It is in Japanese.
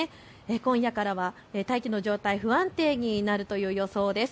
今夜からは大気の状態、不安定になるという予想です。